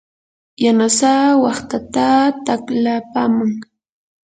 yanasaa waqtataa taqlapaman.